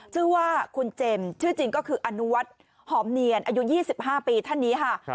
ชื่อว่าคุณเจมส์ชื่อจริงก็คืออนุวัฒน์หอมเนียนอายุ๒๕ปีท่านนี้ค่ะ